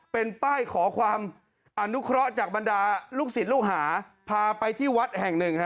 เป็นป้ายขอความอนุเคราะห์จากบรรดาลูกศิษย์ลูกหาพาไปที่วัดแห่งหนึ่งฮะ